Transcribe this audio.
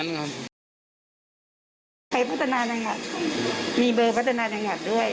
ไปพัฒนาจังหวัดมีเบอร์พัฒนาจังหวัดด้วย